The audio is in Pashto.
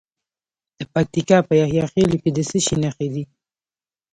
د پکتیکا په یحیی خیل کې د څه شي نښې دي؟